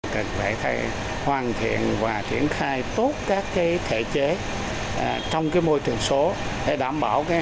cần phải hoàn thiện và triển khai tốt các thể chế trong môi trường số để đảm bảo